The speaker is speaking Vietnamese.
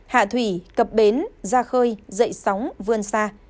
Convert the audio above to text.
hạ thủy cập bến gia khơi dậy sóng vươn sa